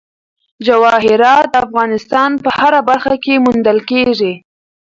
جواهرات د افغانستان په هره برخه کې موندل کېږي.